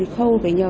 khâu phải nhờ